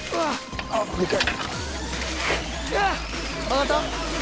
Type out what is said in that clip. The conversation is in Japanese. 上がった？